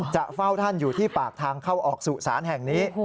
จะเฝ้าท่านอยู่ที่ปากทางเข้าออกสู่ศาลแห่งนี้